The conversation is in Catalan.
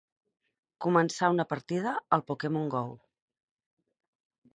Començar una partida al "Pokémon Go".